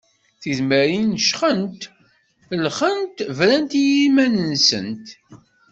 Tidmarin jxent lxent brant i yiman-nsent.